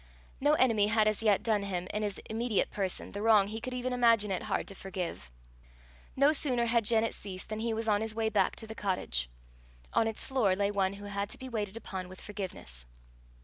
No enemy had as yet done him, in his immediate person, the wrong he could even imagine it hard to forgive. No sooner had Janet ceased than he was on his way back to the cottage: on its floor lay one who had to be waited upon with forgiveness.